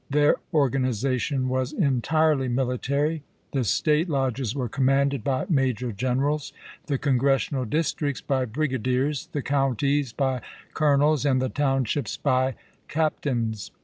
Then organization was entirely military; the State lodges were commanded by major generals, the Congressional districts by brigadiers, the counties by colonels, and the townships by captains.